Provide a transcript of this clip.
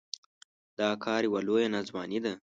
دا کار يوه لويه ناځواني ده.